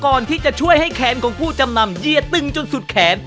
ก่อนที่จะช่วยให้แขนของผู้จำนำเยียดตึงจนสุดแขน